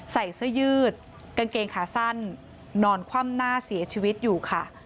ใส่เสื้อยืดกางเกงขาสั้นนอนคว่ำหน้าเสียชีวิตอยู่ค่ะ